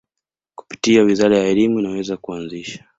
kupitia wizara ya Elimu inaweza kuanzisha